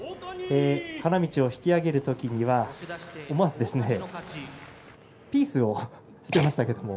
花道を引き揚げる時には思わずピースをしていましたけれども。